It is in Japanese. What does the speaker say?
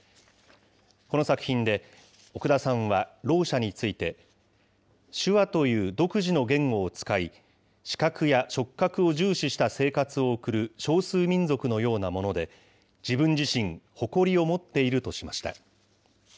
この作品で奥田さんは、聾者について、手話という独自の言語を使い、視覚や触覚を重視した生活を送る少数民族のようなもので、自分自身、誇りを持っているとしました。